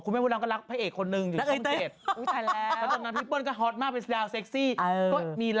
พี่เขามีวีซร์หลายที่นี่